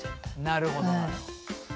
なるほどなるほど。